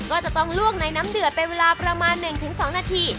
ก็จะต้องลวกในน้ำเดือดเป็นเวลาประมาณ๑๒นาที